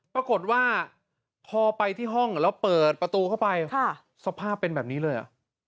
ปรากฏว่าพอไปที่ห้องแล้วเปิดประตูเข้าไปสภาพเป็นแบบนี้เลย